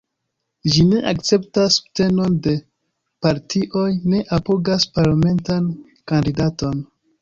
Ĝi ne akceptas subtenon de partioj, ne apogas parlamentan kandidaton.